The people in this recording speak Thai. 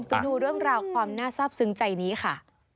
ไปดูเรื่องราวความน่าทราบซึ้งใจนี้ค่ะ